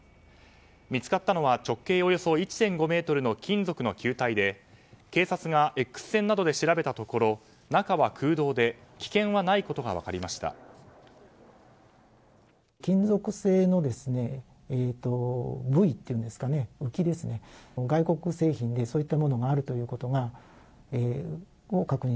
見つかったのは直径およそ１．５ｍの金属の球体で警察がＸ線などで調べたところ中は空洞で、危険はないことが分かりました。